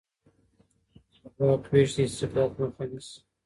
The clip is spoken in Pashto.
د واک وېش د استبداد مخه نیسي